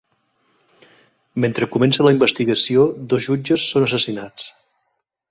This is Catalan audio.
Mentre comença la investigació, dos jutges són assassinats.